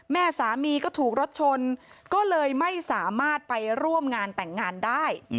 แม่สามีก็ถูกรถชนก็เลยไม่สามารถไปร่วมงานแต่งงานได้